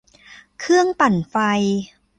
เครื่องปั่นไฟ